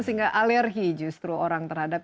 sehingga alergi justru orang terhadap